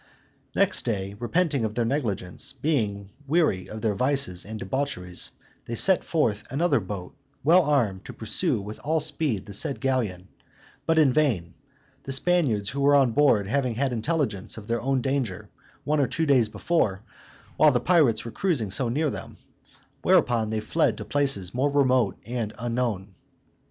Next day, repenting of their negligence, being weary of their vices and debaucheries, they set forth another boat, well armed, to pursue with all speed the said galleon; but in vain, the Spaniards who were on board having had intelligence of their own danger one or two days before, while the pirates were cruising so near them; whereupon they fled to places more remote and unknown.